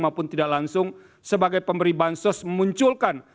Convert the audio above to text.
maupun tidak langsung sebagai pemberi bansos memunculkan